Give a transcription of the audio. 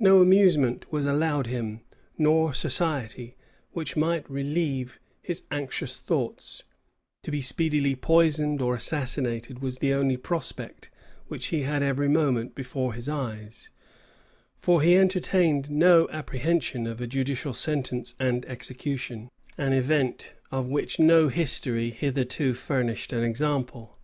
No amusement was allowed him, nor society, which might relieve his anxious thoughts: to be speedily poisoned or assassinated was the only prospect which he had every moment before his eyes; for he entertained no apprehension of a judicial sentence and execution; an event of which no history hitherto furnished an example.